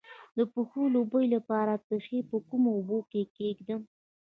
د پښو د بوی لپاره پښې په کومو اوبو کې کیږدم؟